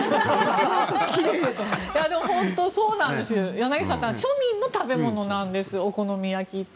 柳澤さん、庶民の食べ物なんですお好み焼きって。